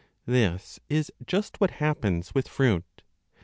This is just what happens with fruit.